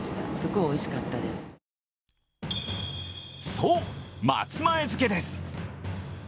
そう、松前漬です。